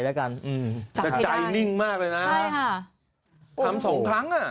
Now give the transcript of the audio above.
แล้วกันอืมใช่แต่ใจนิ่งมากเลยนะใช่ค่ะทำสองครั้งอ่ะ